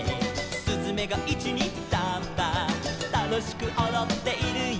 「すずめが１・２・サンバ」「楽しくおどっているよ」